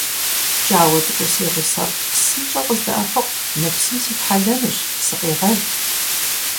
ПкӀауэ цӀыкӀуу си гъусэфӀ, псынщӀэу къыздэӀэпыкъу, мы псым ситхьэлэнущ, сыкъегъэл!